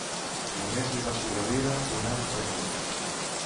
Només li va sobreviure un any i tres mesos.